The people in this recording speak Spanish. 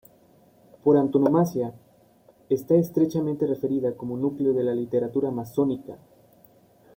Por antonomasia, está estrechamente referida como núcleo de la literatura amazónica.